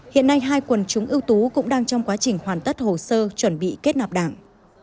hiện nay hai quần chúng ưu tú cũng đang trong quá trình hoàn tất hồ sơ chuẩn bị kết nạp đảng